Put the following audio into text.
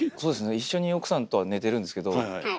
一緒に奥さんとは寝てるんですけど